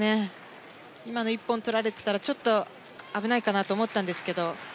今の１本取られてたらちょっと危ないかなと思ったんですが。